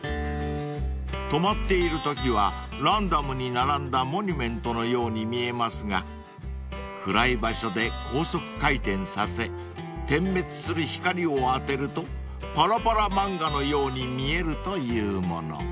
［止まっているときはランダムに並んだモニュメントのように見えますが暗い場所で高速回転させ点滅する光を当てるとパラパラ漫画のように見えるというもの］